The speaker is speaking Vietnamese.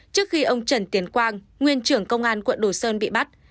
trước khi ông trần tiến quang nguyên trưởng công an quận đồ sơn bị bắt